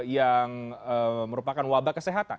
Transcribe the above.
yang merupakan wabah kesehatan